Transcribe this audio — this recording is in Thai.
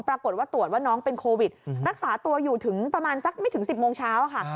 ปรากฏว่าตรวจว่าน้องเป็นโควิดรักษาตัวอยู่ถึงประมาณสักไม่ถึง๑๐โมงเช้าค่ะ